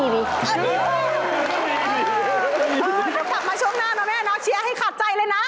เดี๋ยวกลับมาช่วงหน้านะแม่เนาะเชียร์ให้ขาดใจเลยนะ